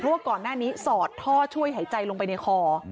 เพราะว่าก่อนหน้านี้สอดท่อช่วยหายใจลงไปในคอ